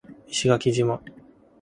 石垣島